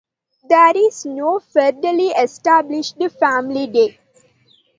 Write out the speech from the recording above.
There is no federally established Family Day.